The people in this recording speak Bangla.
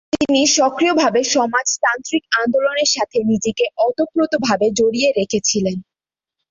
তিনি সক্রিয়ভাবে সমাজতান্ত্রিক আন্দোলনের সাথে নিজেকে ওতপ্রোতভাবে জড়িয়ে রেখেছিলেন।